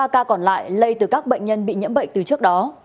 ba ca còn lại lây từ các bệnh nhân bị nhiễm bệnh từ trước đó